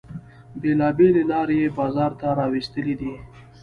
بیلابیلې لارې یې بازار ته را ویستلې دي.